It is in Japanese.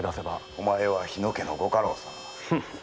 お前は日野家のご家老様。